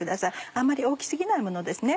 あまり大き過ぎないものですね。